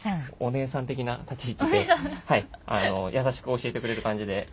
お姉さんてきな立ちいちでやさしく教えてくれる感じで。